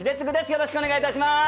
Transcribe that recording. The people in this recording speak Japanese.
よろしくお願いします。